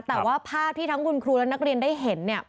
แต่ว่าภาพที่ทั้งคุณครูและนักเรียนได้เห็นเนี่ย